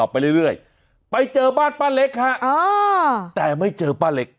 ไปเจอบ้านป้าเล็กค่ะแต่ไม่เจอป้าเล็ก